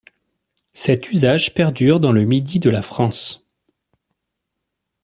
Cet usage perdure dans le Midi de la France.